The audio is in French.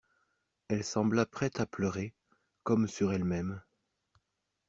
Elle sembla prête à pleurer, comme sur elle-même.